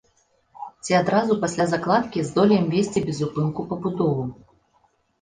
Ці адразу пасля закладкі здолеем весці безупынку пабудову.